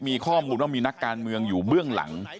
มีข้อมูลว่ามีนักการเมืองอยู่เบื้องหลัง